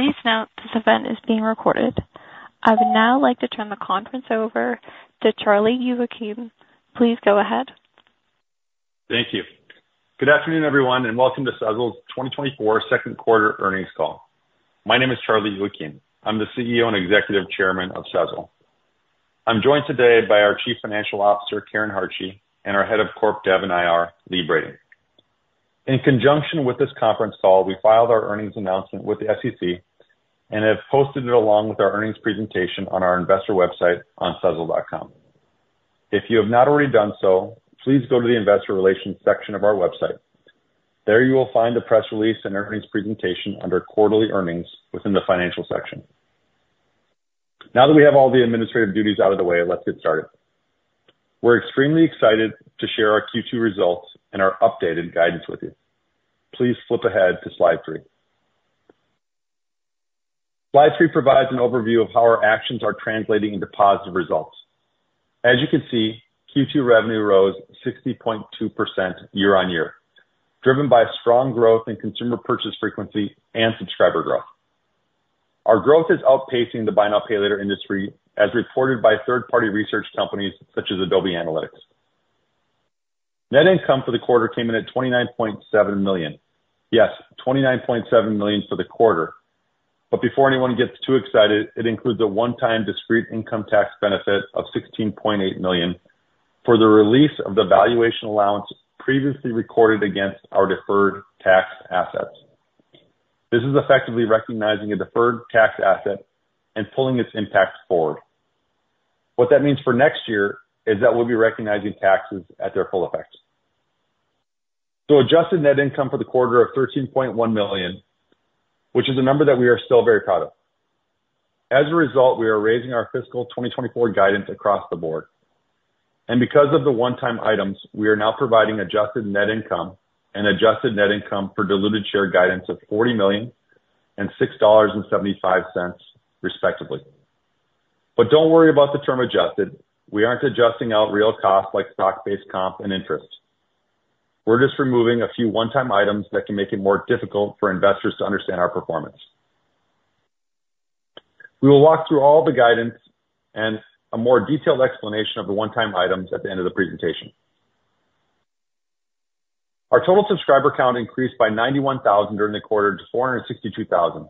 Please note this event is being recorded. I would now like to turn the conference over to Charlie Youakim. Please go ahead. Thank you. Good afternoon, everyone, and welcome to Sezzle's 2024 second quarter earnings call. My name is Charlie Youakim. I'm the CEO and Executive Chairman of Sezzle. I'm joined today by our Chief Financial Officer, Karen Hartje, and our Head of Corp Dev and IR, Lee Brady. In conjunction with this conference call, we filed our earnings announcement with the SEC and have posted it along with our earnings presentation on our investor website on sezzle.com. If you have not already done so, please go to the Investor Relations section of our website. There you will find the press release and earnings presentation under Quarterly Earnings within the Financial section. Now that we have all the administrative duties out of the way, let's get started. We're extremely excited to share our Q2 results and our updated guidance with you. Please flip ahead to slide 3. Slide three provides an overview of how our actions are translating into positive results. As you can see, Q2 revenue rose 60.2% year-over-year, driven by strong growth in consumer purchase frequency and subscriber growth. Our growth is outpacing the buy now, pay later industry, as reported by third-party research companies such as Adobe Analytics. Net income for the quarter came in at $29.7 million. Yes, $29.7 million for the quarter. But before anyone gets too excited, it includes a one-time discrete income tax benefit of $16.8 million for the release of the valuation allowance previously recorded against our deferred tax assets. This is effectively recognizing a deferred tax asset and pulling its impact forward. What that means for next year is that we'll be recognizing taxes at their full effect. So adjusted net income for the quarter of $13.1 million, which is a number that we are still very proud of. As a result, we are raising our fiscal 2024 guidance across the board. And because of the one-time items, we are now providing adjusted net income and adjusted net income per diluted share guidance of $40 million and $6.75, respectively. But don't worry about the term adjusted. We aren't adjusting out real costs like stock-based comp and interest. We're just removing a few one-time items that can make it more difficult for investors to understand our performance. We will walk through all the guidance and a more detailed explanation of the one-time items at the end of the presentation. Our total subscriber count increased by 91,000 during the quarter to 462,000.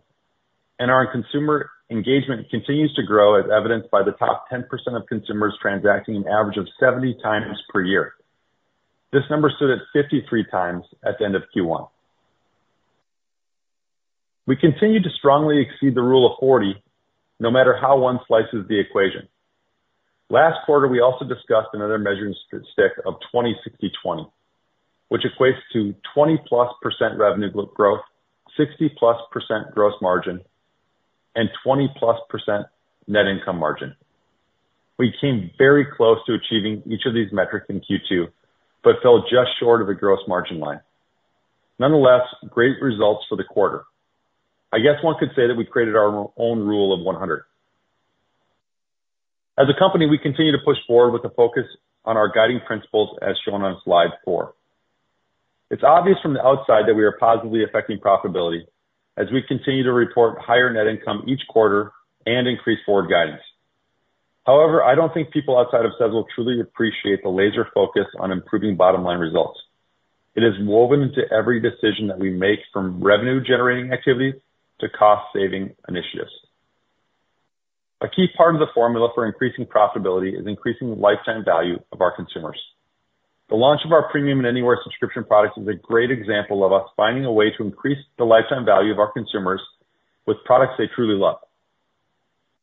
Our consumer engagement continues to grow, as evidenced by the top 10% of consumers transacting an average of 70 times per year. This number stood at 53 times at the end of Q1. We continue to strongly exceed the Rule of 40, no matter how one slices the equation. Last quarter, we also discussed another measuring stick of 20-60-20, which equates to 20%+ revenue growth, 60%+ gross margin, and 20%+ net income margin. We came very close to achieving each of these metrics in Q2, but fell just short of the gross margin line. Nonetheless, great results for the quarter. I guess one could say that we created our own rule of 100. As a company, we continue to push forward with a focus on our guiding principles, as shown on slide 4. It's obvious from the outside that we are positively affecting profitability as we continue to report higher net income each quarter and increase forward guidance. However, I don't think people outside of Sezzle truly appreciate the laser focus on improving bottom line results. It is woven into every decision that we make, from revenue-generating activities to cost-saving initiatives. A key part of the formula for increasing profitability is increasing the lifetime value of our consumers. The launch of our Premium and Anywhere subscription products is a great example of us finding a way to increase the lifetime value of our consumers with products they truly love.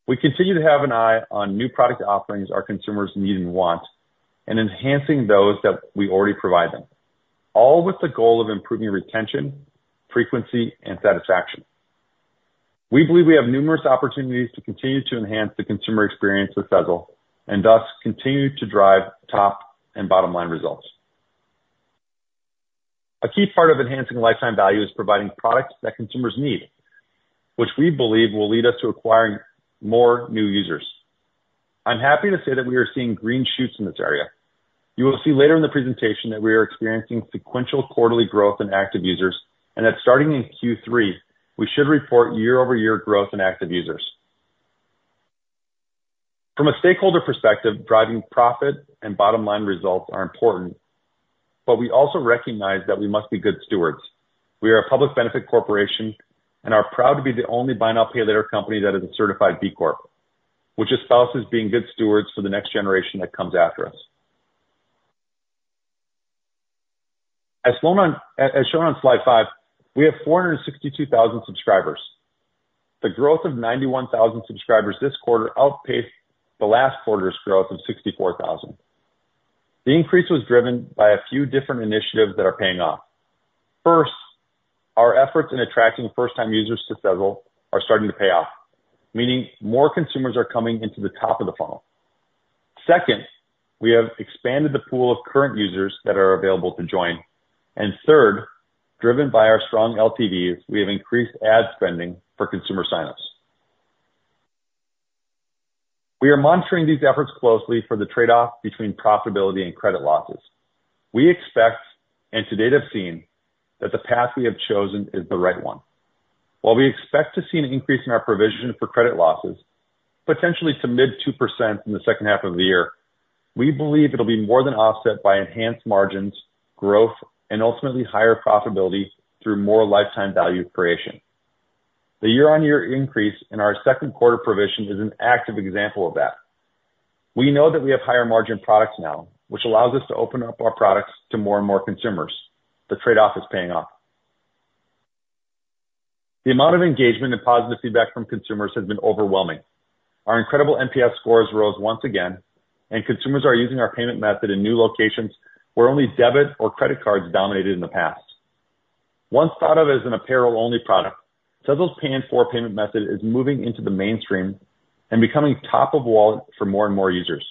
We continue to have an eye on new product offerings our consumers need and want, and enhancing those that we already provide them, all with the goal of improving retention, frequency, and satisfaction. We believe we have numerous opportunities to continue to enhance the consumer experience with Sezzle and thus continue to drive top and bottom line results. A key part of enhancing lifetime value is providing products that consumers need, which we believe will lead us to acquiring more new users. I'm happy to say that we are seeing green shoots in this area. You will see later in the presentation that we are experiencing sequential quarterly growth in active users and that starting in Q3, we should report year-over-year growth in active users. From a stakeholder perspective, driving profit and bottom line results are important, but we also recognize that we must be good stewards. We are a public benefit corporation and are proud to be the only buy now, pay later company that is a certified B Corp, which espouses being good stewards for the next generation that comes after us. As shown on slide five, we have 462,000 subscribers. The growth of 91,000 subscribers this quarter outpaced the last quarter's growth of 64,000. The increase was driven by a few different initiatives that are paying off. First, our efforts in attracting first-time users to Sezzle are starting to pay off, meaning more consumers are coming into the top of the funnel. Second, we have expanded the pool of current users that are available to join. And third, driven by our strong LTVs, we have increased ad spending for consumer signups. We are monitoring these efforts closely for the trade-off between profitability and credit losses. We expect, and to date have seen, that the path we have chosen is the right one. While we expect to see an increase in our provision for credit losses, potentially to mid 2% in the second half of the year, we believe it'll be more than offset by enhanced margins, growth, and ultimately higher profitability through more lifetime value creation. The year-on-year increase in our second quarter provision is an active example of that. We know that we have higher margin products now, which allows us to open up our products to more and more consumers. The trade-off is paying off. The amount of engagement and positive feedback from consumers has been overwhelming. Our incredible NPS scores rose once again, and consumers are using our payment method in new locations where only debit or credit cards dominated in the past. Once thought of as an apparel-only product, Sezzle's Pay in 4 payment method is moving into the mainstream and becoming top of wallet for more and more users.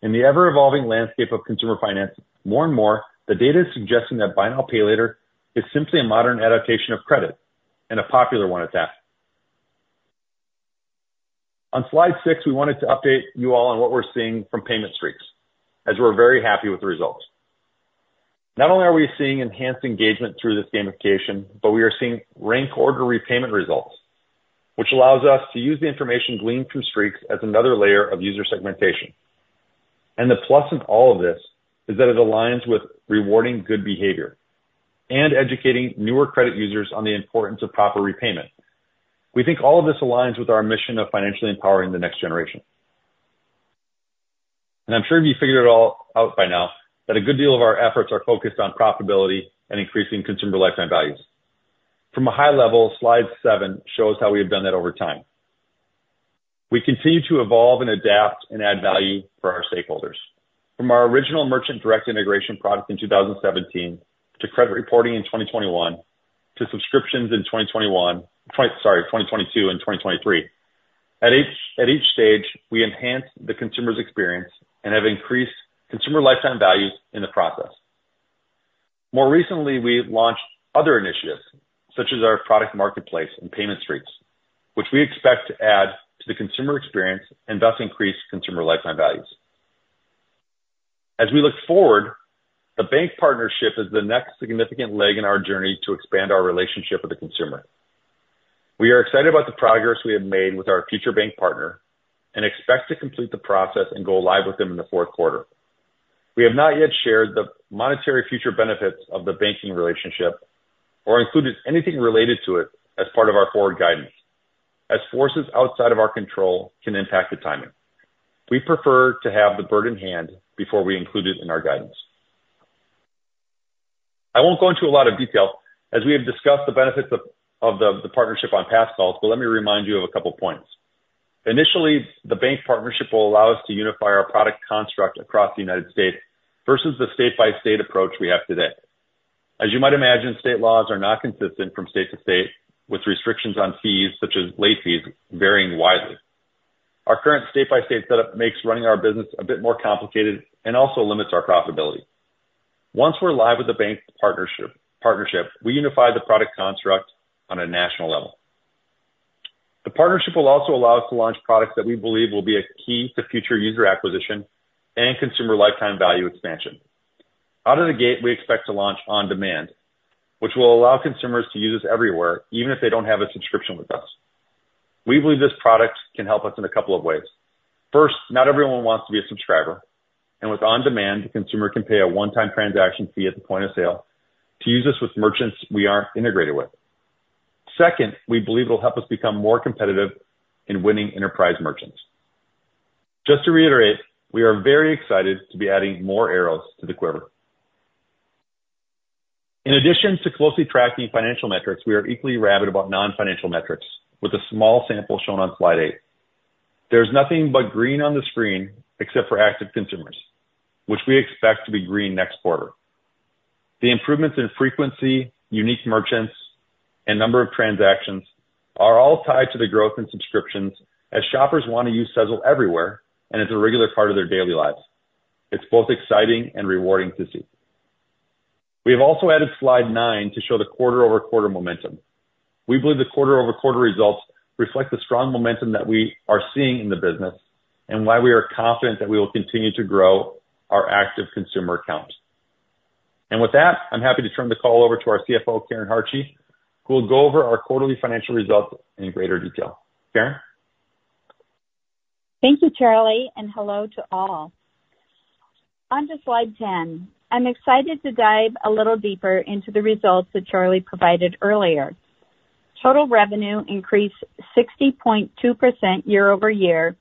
In the ever-evolving landscape of consumer finance, more and more, the data is suggesting that buy now, pay later is simply a modern adaptation of credit and a popular one at that. On slide 6, we wanted to update you all on what we're seeing from Payment Streaks, as we're very happy with the results. Not only are we seeing enhanced engagement through this gamification, but we are seeing rank order repayment results, which allows us to use the information gleaned from streaks as another layer of user segmentation. And the plus in all of this is that it aligns with rewarding good behavior and educating newer credit users on the importance of proper repayment. We think all of this aligns with our mission of financially empowering the next generation. I'm sure you figured it all out by now that a good deal of our efforts are focused on profitability and increasing consumer lifetime values. From a high level, slide 7 shows how we have done that over time. We continue to evolve and adapt and add value for our stakeholders. From our original merchant direct integration product in 2017 to credit reporting in 2021 to subscriptions in 2021, sorry, 2022 and 2023. At each stage, we enhanced the consumer's experience and have increased consumer lifetime values in the process. More recently, we launched other initiatives such as our product marketplace and Payment Streaks, which we expect to add to the consumer experience and thus increase consumer lifetime values. As we look forward, the bank partnership is the next significant leg in our journey to expand our relationship with the consumer. We are excited about the progress we have made with our future bank partner and expect to complete the process and go live with them in the fourth quarter. We have not yet shared the monetary future benefits of the banking relationship or included anything related to it as part of our forward guidance, as forces outside of our control can impact the timing. We prefer to have the bird in hand before we include it in our guidance. I won't go into a lot of detail as we have discussed the benefits of the partnership on past calls, but let me remind you of a couple of points. Initially, the bank partnership will allow us to unify our product construct across the United States versus the state-by-state approach we have today. As you might imagine, state laws are not consistent from state to state, with restrictions on fees such as late fees varying widely. Our current state-by-state setup makes running our business a bit more complicated and also limits our profitability. Once we're live with the bank partnership, we unify the product construct on a national level. The partnership will also allow us to launch products that we believe will be a key to future user acquisition and consumer lifetime value expansion. Out of the gate, we expect to launch On Demand, which will allow consumers to use us everywhere, even if they don't have a subscription with us. We believe this product can help us in a couple of ways. First, not everyone wants to be a subscriber, and with On Demand, the consumer can pay a one-time transaction fee at the point of sale to use us with merchants we aren't integrated with. Second, we believe it'll help us become more competitive in winning enterprise merchants. Just to reiterate, we are very excited to be adding more arrows to the quiver. In addition to closely tracking financial metrics, we are equally rabid about non-financial metrics, with a small sample shown on slide 8. There's nothing but green on the screen except for active consumers, which we expect to be green next quarter. The improvements in frequency, unique merchants, and number of transactions are all tied to the growth in subscriptions as shoppers want to use Sezzle everywhere and it's a regular part of their daily lives. It's both exciting and rewarding to see. We have also added slide 9 to show the quarter-over-quarter momentum. We believe the quarter-over-quarter results reflect the strong momentum that we are seeing in the business and why we are confident that we will continue to grow our active consumer accounts. And with that, I'm happy to turn the call over to our CFO, Karen Hartje, who will go over our quarterly financial results in greater detail. Karen? Thank you, Charlie, and hello to all. Onto slide 10. I'm excited to dive a little deeper into the results that Charlie provided earlier. Total revenue increased 60.2% year-over-year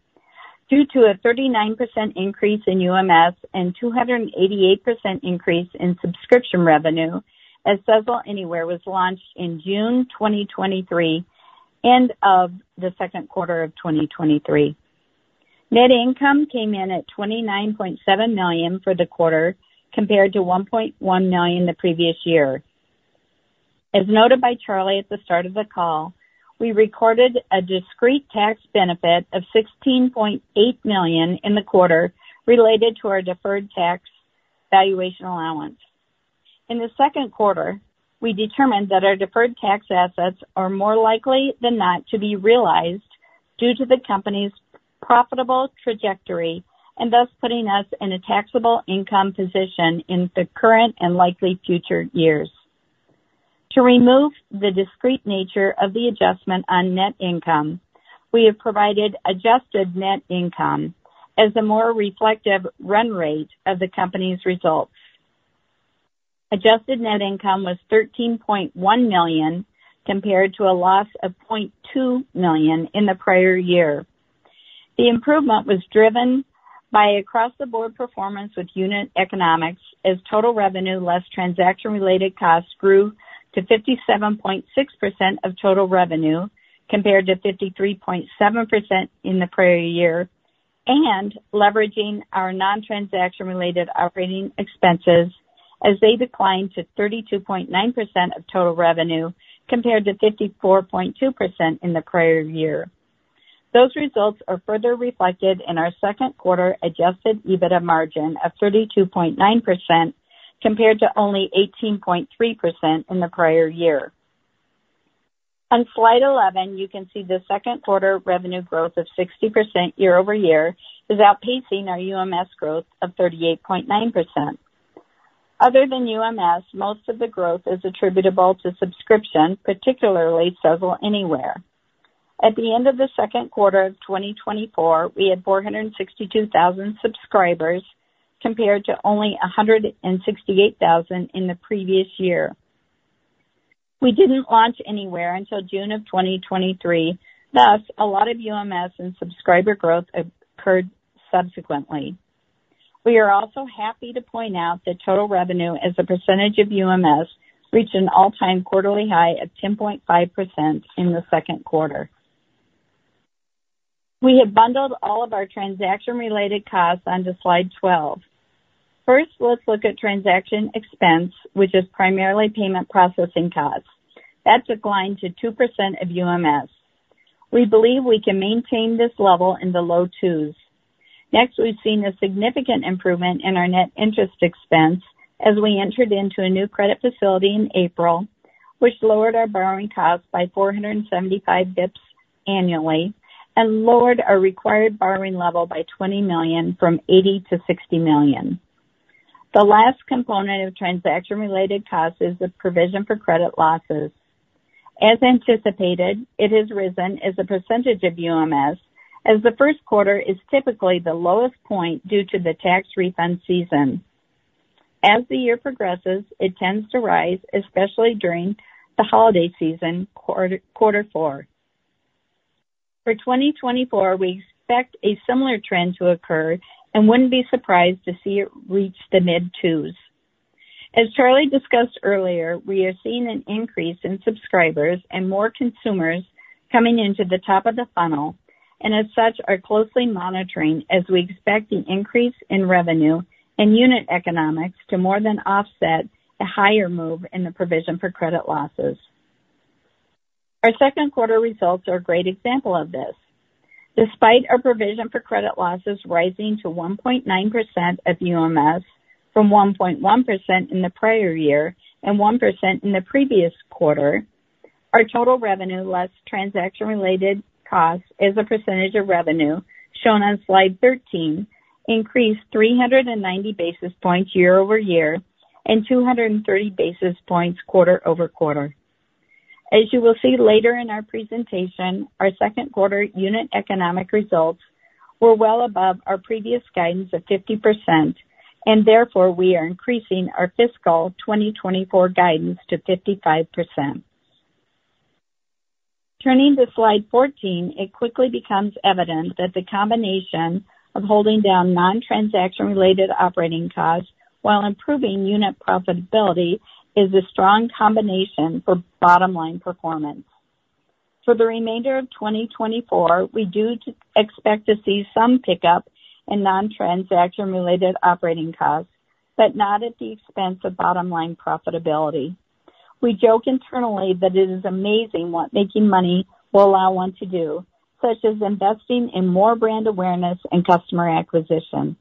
due to a 39% increase in UMS and 288% increase in subscription revenue as Sezzle Anywhere was launched in June 2023 end of the second quarter of 2023. Net income came in at $29.7 million for the quarter compared to $1.1 million the previous year. As noted by Charlie at the start of the call, we recorded a discrete tax benefit of $16.8 million in the quarter related to our deferred tax valuation allowance. In the second quarter, we determined that our deferred tax assets are more likely than not to be realized due to the company's profitable trajectory and thus putting us in a taxable income position in the current and likely future years. To remove the discrete nature of the adjustment on net income, we have provided adjusted net income as a more reflective run rate of the company's results. Adjusted net income was $13.1 million compared to a loss of $0.2 million in the prior year. The improvement was driven by across-the-board performance with unit economics as total revenue less transaction-related costs grew to 57.6% of total revenue compared to 53.7% in the prior year and leveraging our non-transaction-related operating expenses as they declined to 32.9% of total revenue compared to 54.2% in the prior year. Those results are further reflected in our second quarter adjusted EBITDA margin of 32.9% compared to only 18.3% in the prior year. On Slide 11, you can see the second quarter revenue growth of 60% year-over-year is outpacing our UMS growth of 38.9%. Other than UMS, most of the growth is attributable to subscription, particularly Sezzle Anywhere. At the end of the second quarter of 2024, we had 462,000 subscribers compared to only 168,000 in the previous year. We didn't launch Anywhere until June of 2023. Thus, a lot of UMS and subscriber growth occurred subsequently. We are also happy to point out that total revenue as a percentage of UMS reached an all-time quarterly high of 10.5% in the second quarter. We have bundled all of our transaction-related costs onto slide 12. First, let's look at transaction expense, which is primarily payment processing costs. That declined to 2% of UMS. We believe we can maintain this level in the low twos. Next, we've seen a significant improvement in our net interest expense as we entered into a new credit facility in April, which lowered our borrowing costs by 475 basis points annually and lowered our required borrowing level by $20 million from $80 million to $60 million. The last component of transaction-related costs is the provision for credit losses. As anticipated, it has risen as a percentage of UMS, as the first quarter is typically the lowest point due to the tax refund season. As the year progresses, it tends to rise, especially during the holiday season, quarter four. For 2024, we expect a similar trend to occur and wouldn't be surprised to see it reach the mid-2s. As Charlie discussed earlier, we are seeing an increase in subscribers and more consumers coming into the top of the funnel, and as such, are closely monitoring as we expect the increase in revenue and unit economics to more than offset a higher move in the provision for credit losses. Our second quarter results are a great example of this. Despite our provision for credit losses rising to 1.9% of UMS from 1.1% in the prior year and 1% in the previous quarter, our total revenue less transaction-related costs as a percentage of revenue shown on Slide 13 increased 390 basis points year-over-year and 230 basis points quarter-over-quarter. As you will see later in our presentation, our second quarter unit economic results were well above our previous guidance of 50%, and therefore we are increasing our fiscal 2024 guidance to 55%. Turning to slide 14, it quickly becomes evident that the combination of holding down non-transaction-related operating costs while improving unit profitability is a strong combination for bottom-line performance. For the remainder of 2024, we do expect to see some pickup in non-transaction-related operating costs, but not at the expense of bottom-line profitability. We joke internally that it is amazing what making money will allow one to do, such as investing in more brand awareness and customer acquisition.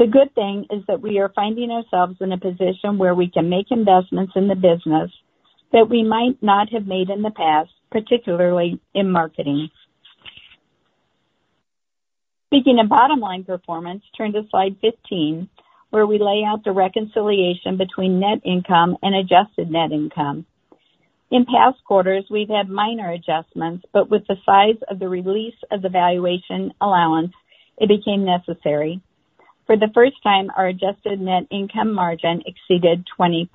The good thing is that we are finding ourselves in a position where we can make investments in the business that we might not have made in the past, particularly in marketing. Speaking of bottom-line performance, turn to slide 15, where we lay out the reconciliation between net income and adjusted net income. In past quarters, we've had minor adjustments, but with the size of the release of the valuation allowance, it became necessary. For the first time, our adjusted net income margin exceeded 20%.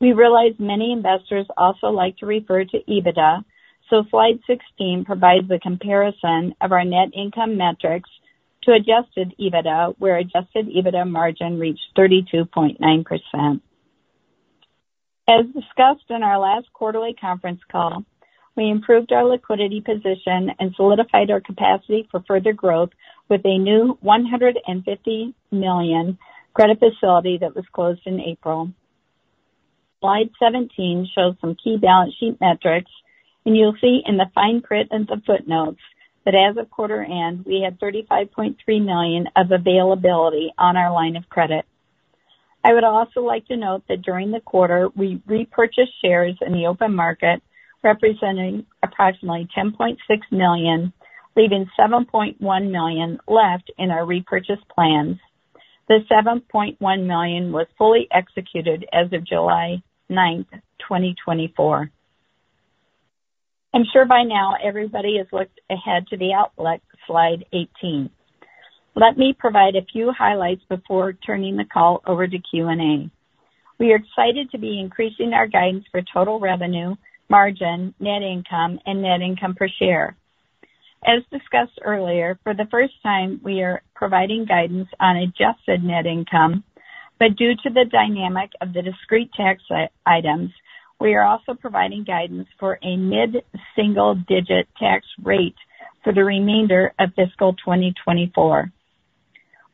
We realize many investors also like to refer to EBITDA, so slide 16 provides the comparison of our net income metrics to adjusted EBITDA, where adjusted EBITDA margin reached 32.9%. As discussed in our last quarterly conference call, we improved our liquidity position and solidified our capacity for further growth with a new $150 million credit facility that was closed in April. Slide 17 shows some key balance sheet metrics, and you'll see in the fine print and the footnotes that as a quarter end, we had $35.3 million of availability on our line of credit. I would also like to note that during the quarter, we repurchased shares in the open market, representing approximately 10.6 million, leaving 7.1 million left in our repurchase plans. The 7.1 million was fully executed as of July 9th, 2024. I'm sure by now everybody has looked ahead to the outlook, slide 18. Let me provide a few highlights before turning the call over to Q&A. We are excited to be increasing our guidance for total revenue, margin, net income, and net income per share. As discussed earlier, for the first time, we are providing guidance on adjusted net income, but due to the dynamic of the discrete tax items, we are also providing guidance for a mid-single-digit tax rate for the remainder of fiscal 2024.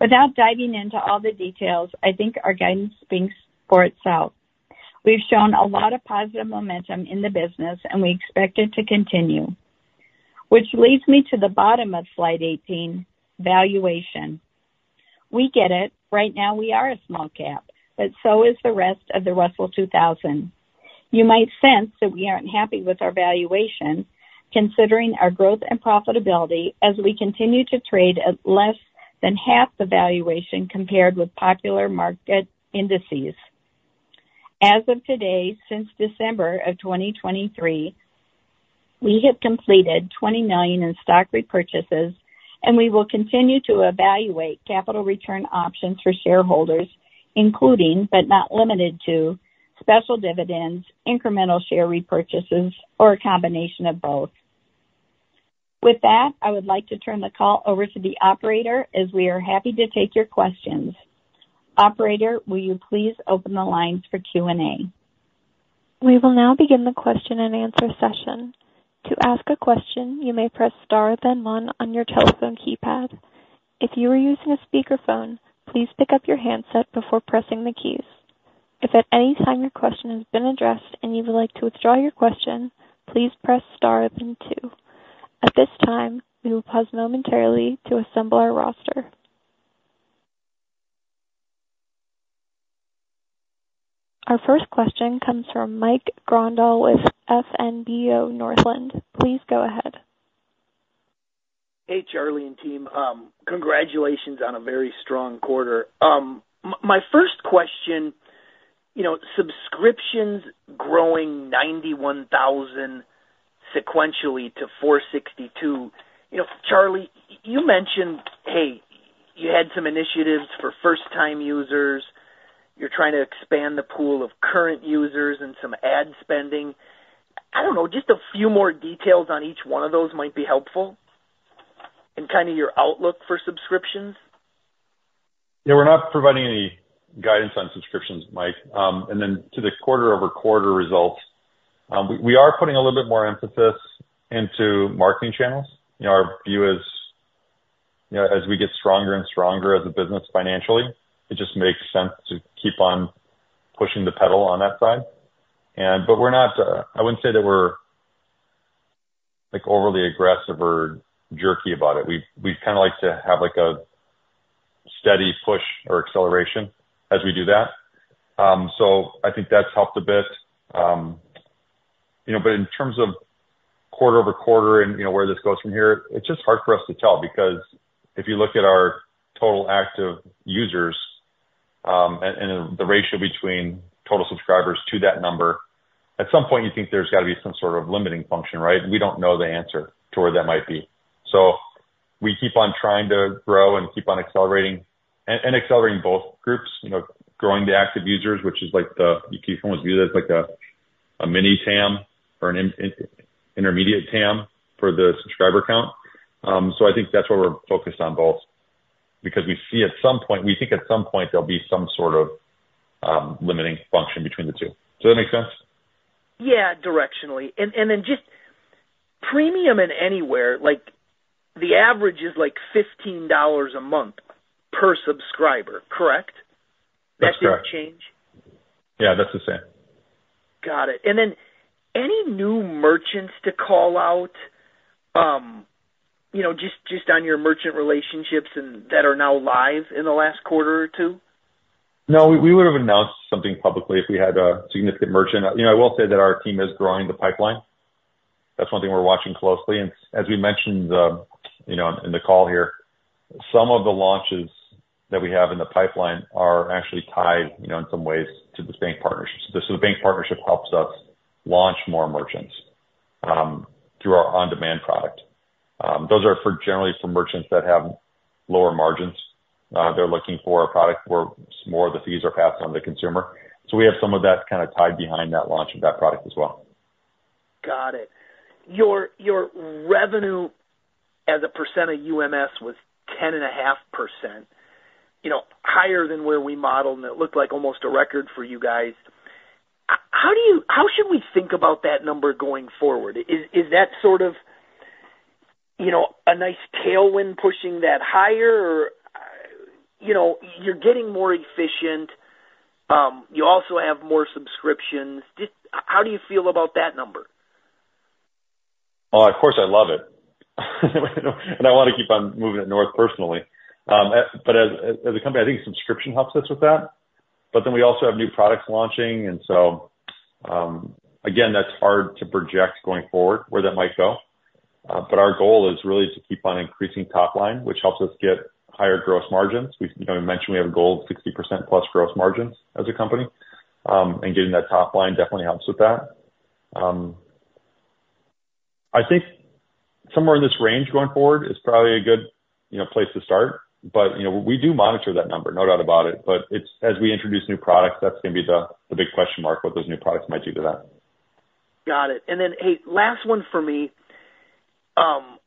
Without diving into all the details, I think our guidance speaks for itself. We've shown a lot of positive momentum in the business, and we expect it to continue. Which leads me to the bottom of slide 18, valuation. We get it. Right now, we are a small cap, but so is the rest of the Russell 2000. You might sense that we aren't happy with our valuation, considering our growth and profitability as we continue to trade at less than half the valuation compared with popular market indices. As of today, since December of 2023, we have completed $20 million in stock repurchases, and we will continue to evaluate capital return options for shareholders, including, but not limited to, special dividends, incremental share repurchases, or a combination of both. With that, I would like to turn the call over to the operator, as we are happy to take your questions. Operator, will you please open the lines for Q&A? We will now begin the question and answer session. To ask a question, you may press star then one on your telephone keypad. If you are using a speakerphone, please pick up your handset before pressing the keys. If at any time your question has been addressed and you would like to withdraw your question, please press star then two. At this time, we will pause momentarily to assemble our roster. Our first question comes from Mike Grondahl with Northland Securities. Please go ahead. Hey, Charlie and team. Congratulations on a very strong quarter. My first question, you know, subscriptions growing 91,000 sequentially to 462. You know, Charlie, you mentioned, hey, you had some initiatives for first-time users. You're trying to expand the pool of current users and some ad spending. I don't know, just a few more details on each one of those might be helpful in kind of your outlook for subscriptions. Yeah, we're not providing any guidance on subscriptions, Mike. And then to the quarter-over-quarter results, we are putting a little bit more emphasis into marketing channels. You know, our view is, you know, as we get stronger and stronger as a business financially, it just makes sense to keep on pushing the pedal on that side. And, but we're not, I wouldn't say that we're like overly aggressive or jerky about it. We kind of like to have like a steady push or acceleration as we do that. So I think that's helped a bit. You know, but in terms of quarter-over-quarter and, you know, where this goes from here, it's just hard for us to tell because if you look at our total active users and the ratio between total subscribers to that number, at some point you think there's got to be some sort of limiting function, right? We don't know the answer to where that might be. So we keep on trying to grow and keep on accelerating and accelerating both groups, you know, growing the active users, which is like the, you can almost view that as like a mini TAM or an intermediate TAM for the subscriber count. So I think that's why we're focused on both because we see at some point, we think at some point there'll be some sort of limiting function between the two. Does that make sense? Yeah, directionally. And then just Premium and Anywhere, like the average is like $15 a month per subscriber, correct? That's the exchange? Yeah, that's the same. Got it. And then any new merchants to call out, you know, just on your merchant relationships and that are now live in the last quarter or two? No, we would have announced something publicly if we had a significant merchant. You know, I will say that our team is growing the pipeline. That's one thing we're watching closely. And as we mentioned, you know, in the call here, some of the launches that we have in the pipeline are actually tied, you know, in some ways to the bank partnerships. So the bank partnership helps us launch more merchants through our on-demand product. Those are generally for merchants that have lower margins. They're looking for a product where more of the fees are passed on to the consumer. So we have some of that kind of tied behind that launch of that product as well. Got it. Your revenue as a percent of UMS was 10.5%, you know, higher than where we modeled and it looked like almost a record for you guys. How do you, how should we think about that number going forward? Is that sort of, you know, a nice tailwind pushing that higher or, you know, you're getting more efficient, you also have more subscriptions. How do you feel about that number? Well, of course I love it. I want to keep on moving it north personally. As a company, I think subscription helps us with that. But then we also have new products launching. And so, again, that's hard to project going forward where that might go. But our goal is really to keep on increasing top line, which helps us get higher gross margins. You know, we mentioned we have a goal of 60%+ gross margins as a company. And getting that top line definitely helps with that. I think somewhere in this range going forward is probably a good, you know, place to start. But, you know, we do monitor that number, no doubt about it. But it's as we introduce new products, that's going to be the big question mark what those new products might do to that. Got it. And then, hey, last one for me,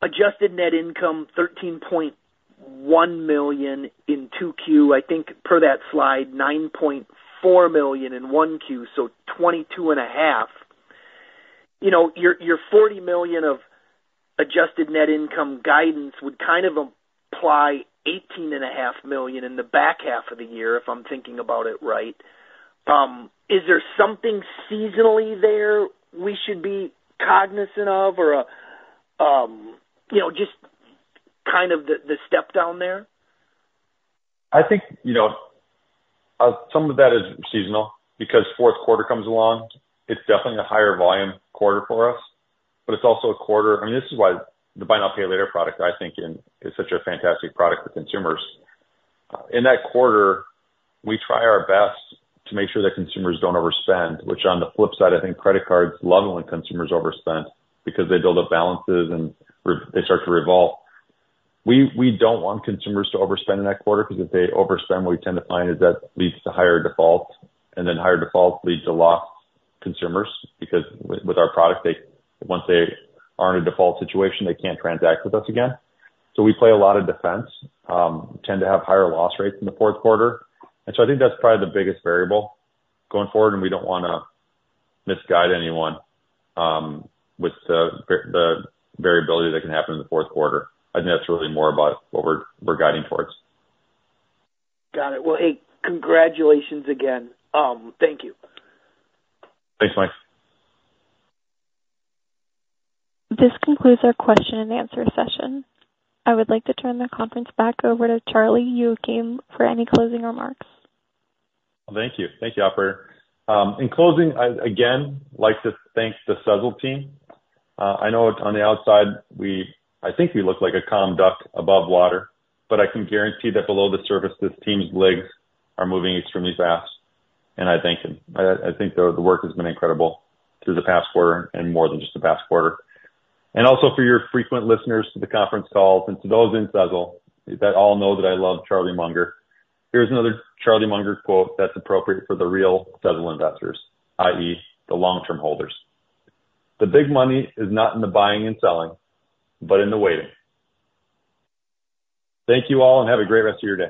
adjusted net income $13.1 million in 2Q. I think per that slide, $9.4 million in 1Q, so $22.5 million. You know, your $40 million of Adjusted Net Income guidance would kind of apply $18.5 million in the back half of the year if I'm thinking about it right. Is there something seasonally there we should be cognizant of or a, you know, just kind of the step down there. I think, you know, some of that is seasonal because fourth quarter comes along. It's definitely a higher volume quarter for us. But it's also a quarter, I mean, this is why the Buy Now, Pay Later product, I think, is such a fantastic product for consumers. In that quarter, we try our best to make sure that consumers don't overspend, which on the flip side, I think credit cards love when consumers overspend because they build up balances and they start to revolve. We don't want consumers to overspend in that quarter because if they overspend, what we tend to find is that leads to higher defaults. And then higher defaults lead to lost consumers because with our product, once they are in a default situation, they can't transact with us again. So we play a lot of defense, tend to have higher loss rates in the fourth quarter. And so I think that's probably the biggest variable going forward. And we don't want to misguide anyone with the variability that can happen in the fourth quarter. I think that's really more about what we're guiding towards. Got it. Well, hey, congratulations again. Thank you. Thanks, Mike. This concludes our question and answer session. I would like to turn the conference back over to Charlie Youakim for any closing remarks? Thank you. Thank you, Operator. In closing, I again like to thank the Sezzle team. I know on the outside, I think we look like a calm duck above water, but I can guarantee that below the surface, this team's legs are moving extremely fast. I thank them. I think the work has been incredible through the past quarter and more than just the past quarter. Also, to your frequent listeners to the conference calls and to those in Sezzle that all know that I love Charlie Munger. Here's another Charlie Munger quote that's appropriate for the real Sezzle investors, i.e., the long-term holders. "The big money is not in the buying and selling, but in the waiting." Thank you all and have a great rest of your day.